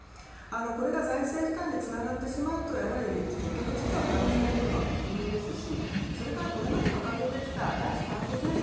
これが財政負担に繋がってしまうと結局ツケを払わされるのは国民ですしこれまで掲げてきた脱炭素政策。